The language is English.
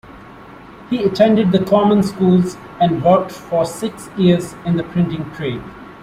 He attended the common schools and worked for six years in the printing trade.